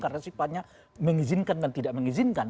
karena sifatnya mengizinkan dan tidak mengizinkan